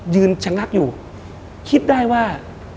ชะงักอยู่คิดได้ว่า